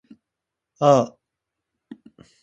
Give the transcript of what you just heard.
ああ